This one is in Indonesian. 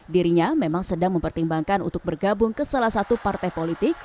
dirinya memang sedang mempertimbangkan untuk bergabung ke salah satu partai politik